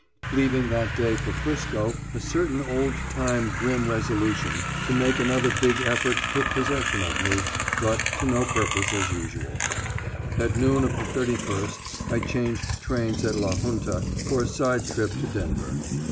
Leaving that day for 'Frisco a certain old time grim resolution to make another big effort took possession of me, but to no purpose as usual. At noon of the 31st, I changed trains at La Junta for a side trip to Denver.